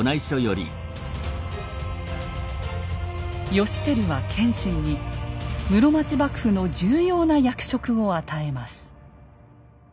義輝は謙信に室町幕府の重要な役職を与えます。